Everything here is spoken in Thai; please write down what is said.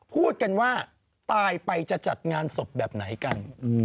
พูดกันว่าตายไปจะจัดงานศพแบบไหนกัน